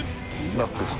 バックして。